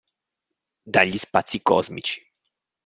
Dagli spazi cosmici.